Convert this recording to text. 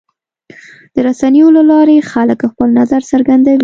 د رسنیو له لارې خلک خپل نظر څرګندوي.